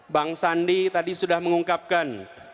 bang sandi tadi sudah mengungkapkan